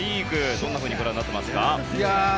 どんなふうにご覧になってますか？